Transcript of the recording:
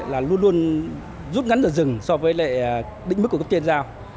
luôn luôn rút ngắn rừng dừng so với lệ định mức của cục tiền giao